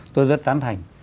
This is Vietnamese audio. tôi rất tán thành